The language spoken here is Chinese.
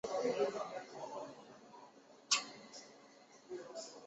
陈于是开始与几个城市的革命者进行联络。